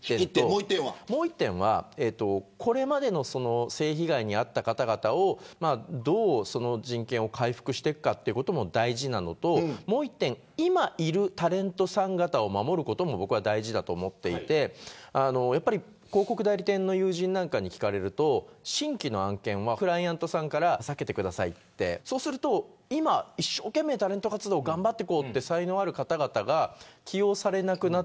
もう１つはこれまでの性被害に遭った方々をどう人権を回復していくかということも大事なのと今いるタレントさんを守ることも大事だと思っていて広告代理店の友人なんかに聞くと新規の案件はクライアントさんから避けてくださいって今、一生懸命タレント活動を頑張っていこうという才能のある方々が起用されなくなる。